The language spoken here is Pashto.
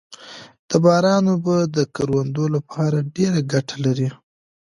د باران اوبه د کروندو لپاره ډېره ګټه لري